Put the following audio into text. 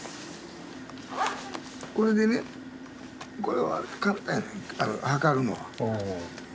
これでねこれは簡単や測るのは。